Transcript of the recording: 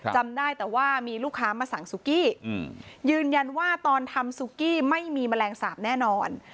จำได้แต่ว่ามีลูกค้ามาสั่งซุกี้ยืนยันว่าตอนทำซุกี้ไม่มีแมลงสาปแน่นอน